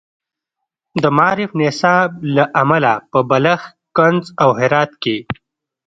د معارف نصاب له امله په بلخ، کندز، او هرات کې